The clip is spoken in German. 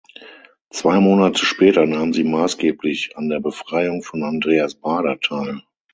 Zwei Monate später nahm sie maßgeblich an der Befreiung von Andreas Baader teil.